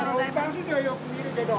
バスではよく見るけど。